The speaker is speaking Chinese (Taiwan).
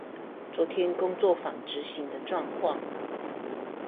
昨天工作坊執行的狀況